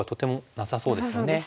なさそうですね。